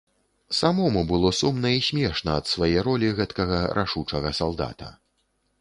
Самому было сумна і смешна ад свае ролі гэткага рашучага салдата.